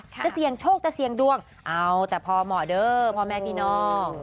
ก็เสียงโชคก็เสียงดวงแต่พอเหมาะเดิมพอแม่พี่น้อง